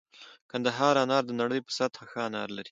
کندهار انار د نړۍ په سطحه ښه انار لري